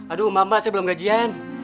aduh mamba saya belom gajian